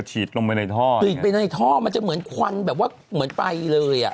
ฉีดลงไปในท่อกรีดไปในท่อมันจะเหมือนควันแบบว่าเหมือนไปเลยอ่ะ